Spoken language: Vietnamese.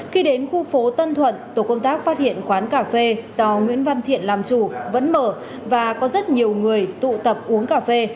khi đến khu phố tân thuận tổ công tác phát hiện quán cà phê do nguyễn văn thiện làm chủ vẫn mở và có rất nhiều người tụ tập uống cà phê